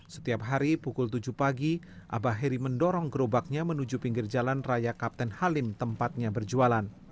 setiap hari pukul tujuh pagi abah heri mendorong gerobaknya menuju pinggir jalan raya kapten halim tempatnya berjualan